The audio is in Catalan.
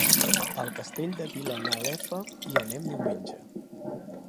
A el Castell de Vilamalefa hi anem diumenge.